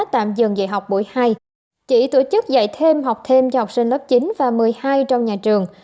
tạm dừng dạy học buổi hai chỉ tổ chức dạy thêm học thêm cho học sinh lớp chín và một mươi hai trong nhà trường